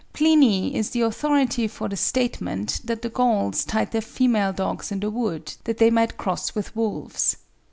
Pliny is the authority for the statement that the Gauls tied their female dogs in the wood that they might cross with wolves.